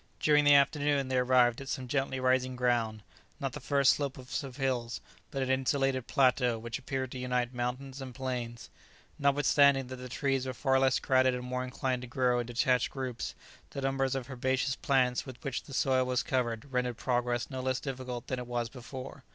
During the afternoon they arrived at some gently rising ground, not the first slopes of hills, but an insulated plateau which appeared to unite mountains and plains. Notwithstanding that the trees were far less crowded and more inclined to grow in detached groups, the numbers of herbaceous plants with which the soil was covered rendered progress no less difficult than it was before.